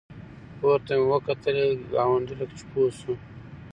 پورته مې وکتلې ګاونډی لکه چې پوه شو.